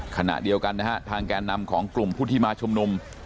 ขณะเดียวกันนะฮะทางแก่นำของกลุ่มผู้ที่มาชุมนุม